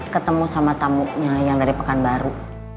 ketemu sama tamunya yang dari pekan baru